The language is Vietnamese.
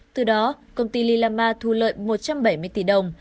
từ đó công ty lilama thu lợi một trăm bảy mươi tỷ đồng